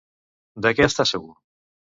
De què està segur?